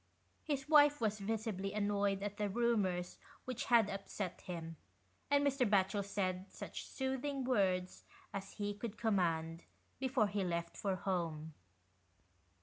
His wife was visibly annoyed at the rumours which had upset him, and Mr. Batchel said such soothing words as he could command, before he left for home.